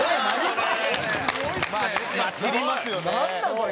これ。